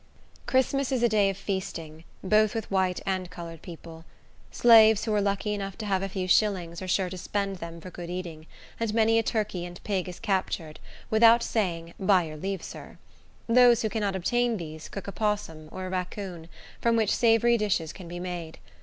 Christmas is a day of feasting, both with white and colored people. Slaves, who are lucky enough to have a few shillings, are sure to spend them for good eating; and many a turkey and pig is captured, without saying, "By your leave, sir." Those who cannot obtain these, cook a 'possum, or a raccoon, from which savory dishes can be made.